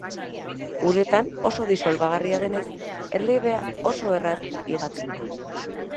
Uretan oso disolbagarria denez, erliebea, oso erraz higatzen da.